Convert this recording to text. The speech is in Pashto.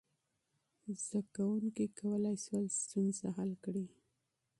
زده کوونکي کولی شول ستونزه حل کړي.